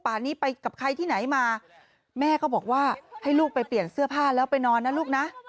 นี้ไปกับใครที่ไหนมาแม่ก็บอกว่าให้ลูกไปเปลี่ยนเสื้อผ้าแล้วไปนอนนะลูกนะ